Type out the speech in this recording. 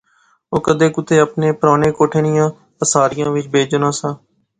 او کدے کُتے اپنے پرانے کوٹھے نیاں پاساریا وچ بہجنا سا